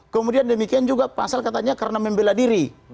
kemudian demikian juga pasal katanya karena membela diri